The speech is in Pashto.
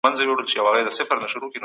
د علم خاوندان له نورو سره توپير لري.